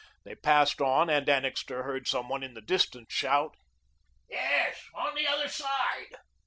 They passed on, and Annixter heard some one in the distance shout: "Yes, on the other side."